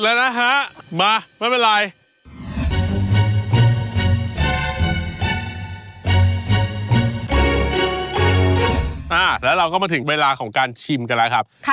แล้วเราก็มาถึงเวลาของการชิมกันแล้วครับ